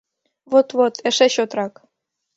Вот-вот, эше чотрак!